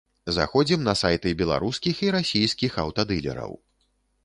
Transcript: Заходзім на сайты беларускіх і расійскіх аўтадылераў.